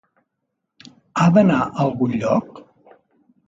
Ha d'anar a algun lloc?